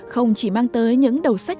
không chỉ mang tới những đầu sách